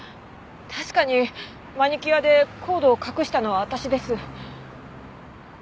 確かにマニキュアでコードを隠したのは私です。